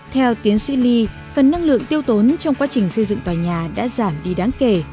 theo tiến sĩ lee phần năng lượng tiêu tốn trong quá trình xây dựng tòa nhà đã giảm đi đáng kể